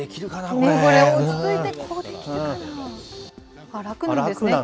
これ、落ち着いてこうできるかな？